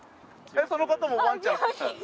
その方もワンちゃん。